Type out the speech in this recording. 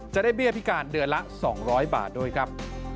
จะได้เบี้ยพิการเดือนละ๒๐๐บาทด้วยครับ